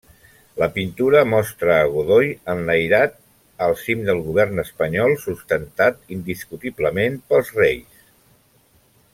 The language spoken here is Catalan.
La pintura mostra a Godoy enlairat al cim del govern espanyol, sustentat indiscutiblement pels reis.